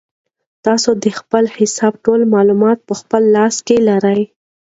تاسو د خپل حساب ټول معلومات په خپل لاس کې لرئ.